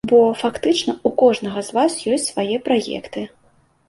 Бо, фактычна, у кожнага з вас ёсць свае праекты.